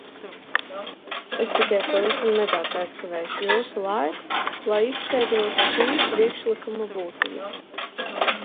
Es tikai pavisam nedaudz aizkavēšu jūsu laiku, lai izskaidrotu šī priekšlikuma būtību.